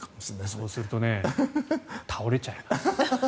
そうするとね倒れちゃいます。